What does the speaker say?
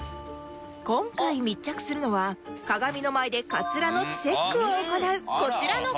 今回密着するのは鏡の前でカツラのチェックを行うこちらの方！